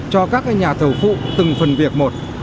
cho các nhà thầu phụ từng phần việc một